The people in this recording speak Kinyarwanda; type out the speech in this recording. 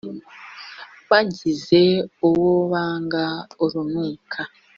wangize uwo banga urunuka